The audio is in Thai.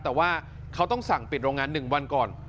แต่ว่าเขาต้องสั่งปิดโรงงาน๑วันก่อน